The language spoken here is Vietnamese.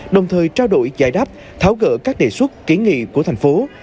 đồng thời trao đổi giải đáp tháo gỡ các đề xuất kiến nghị của thành phố